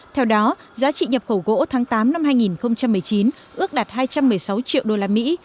theo đó giá trị nhập khẩu gỗ tháng tám năm hai nghìn một mươi chín ước đạt hai trăm một mươi sáu triệu đô la mỹ